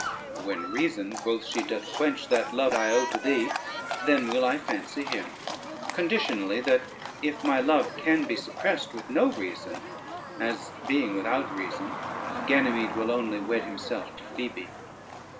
"When reason," quoth she, "doth quench that love I owe to thee, then will I fancy him; conditionally, that if my love can be suppressed with no reason, as being without reason Ganymede will only wed himself to Phoebe."